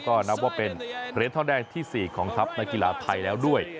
ก็นับว่าเป็นเหรียญทองแดงที่๔ของทัพนักกีฬาไทยแล้วด้วย